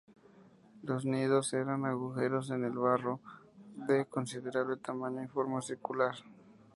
Los nidos eran agujeros en el barro, de considerable tamaño y forma circular.